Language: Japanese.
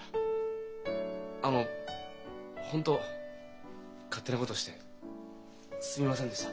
あの本当勝手なことしてすみませんでした。